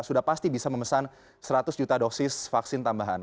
sudah pasti bisa memesan seratus juta dosis vaksin tambahan